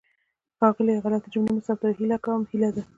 ښاغلیه! غلطې جملې مه ثبتوه. هیله کوم هیله ده.